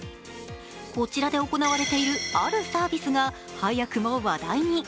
こちらで行われているあるサービスが早くも話題に。